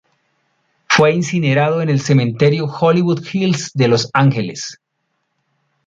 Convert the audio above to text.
Fue incinerado en el cementerio Hollywood Hills de Los Ángeles.